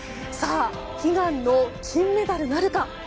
さあ、悲願の金メダルなるか？